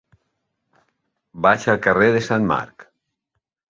Vaig al carrer de Sant Marc.